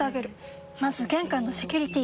まず玄関のセキュリティ！